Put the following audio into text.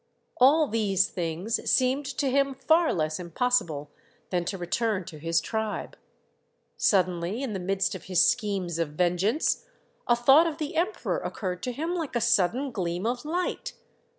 All these things seemed to him far less impossible than to return to his tribe. Suddenly, in the midst of his schemes of vengeance, a thought of the Emperor occurred to him like a sudden gleam of light.